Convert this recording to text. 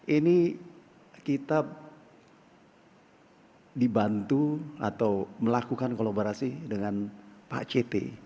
ini kita dibantu atau melakukan kolaborasi dengan pak ct